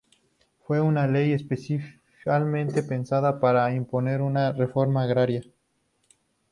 Fue una ley especialmente pensada para imponer una reforma agraria.